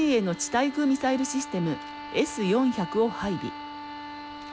対空ミサイルシステムＳ４００を配備。